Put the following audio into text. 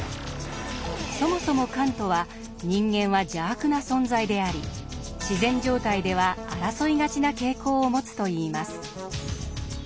そもそもカントは「人間は邪悪な存在」であり自然状態では争いがちな傾向を持つと言います。